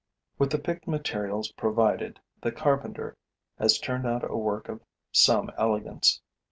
With the picked materials provided, the carpenter has turned out a work of some elegance.